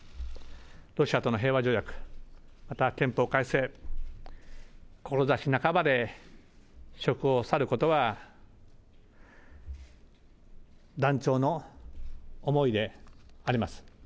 ロシアとの平和条約、また憲法改正、志半ばで職を去ることは、断腸の思いであります。